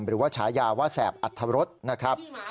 หรือว่าฉายาว่าแสบอัธรสนะครับ